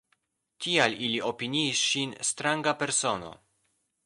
Tial ili opiniis ŝin stranga persono.